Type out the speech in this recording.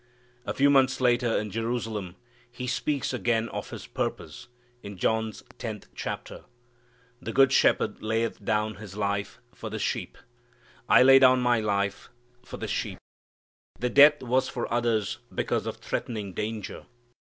A few months later, in Jerusalem, He speaks again of His purpose, in John's tenth chapter, "The good shepherd layeth down His life for the sheep." "I lay down my life for the sheep." The death was for others because of threatening danger.